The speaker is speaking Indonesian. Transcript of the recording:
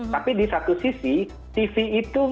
tapi di satu sisi tv itu